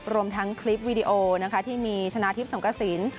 รวมทั้งคลิปวีดีโอนะคะที่มีชนะทิพย์สงกระสิน